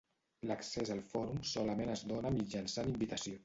L'accés al fòrum solament es dóna mitjançant invitació.